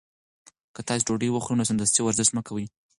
که تاسي ډوډۍ وخوړه نو سمدستي ورزش مه کوئ.